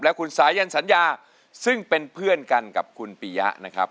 และคุณสายันสัญญาซึ่งเป็นเพื่อนกันกับคุณปียะนะครับ